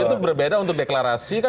itu berbeda untuk deklarasi